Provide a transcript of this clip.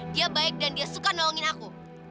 dia baik dan dia suka nolongin aku